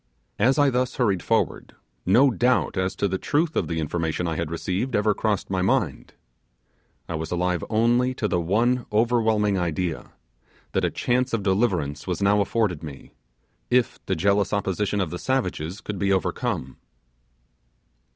As I thus hurried forward, no doubt as to the truth of the information I had received ever crossed my mind. I was alive only to the one overwhelming idea, that a chance of deliverance was now afforded me, if the jealous opposition of the savages could be overcome.